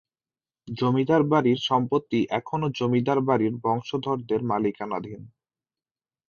জমিদার বাড়ির সম্পত্তি এখনো জমিদার বাড়ির বংশধরদের মালিকানাধীন।